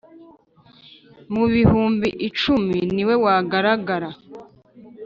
mu bihumbi icumi ni we wagaragara.